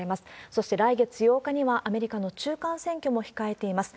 そして来月８日にはアメリカの中間選挙も控えています。